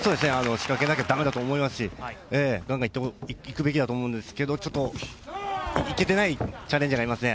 仕掛けなきゃ駄目だと思いますし、がんがんいくべきだと思うんですけど、ちょっといけていないチャレンジャーがいますね。